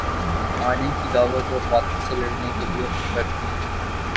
آنے کی دعوت اور باطل سے لڑنے کے لیے فردی